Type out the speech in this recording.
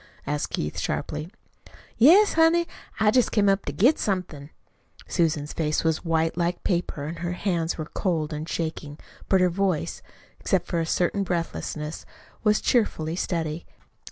asked Keith sharply. "Yes, honey. I jest came up to get somethin'." Susan's face was white like paper, and her hands were cold and shaking, but her voice, except for a certain breathlessness, was cheerfully steady.